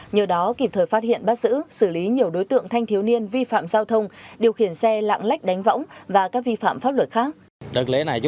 nhờ đó kịp thời phát hiện bắt giữ xử lý nhiều đối tượng thanh thiếu niên vi phạm giao thông điều khiển xe lạng lách đánh võng và các vi phạm pháp luật khác